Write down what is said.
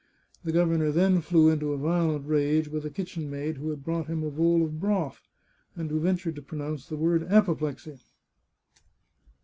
The governor then flew into a violent rage with a kitch en maid who had brought him a bowl of broth, and who ventured to pronounce the word " apoplexy."